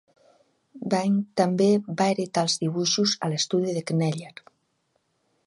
Byng també va heretar els dibuixos a l'estudi de Kneller.